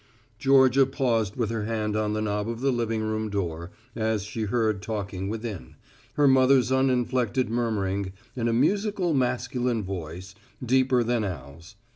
Georgia paused with her hand on the knob of the living room door, as she heard talking within, her mother's uninflected murmuring and a musical masculine voice, deeper than Al's.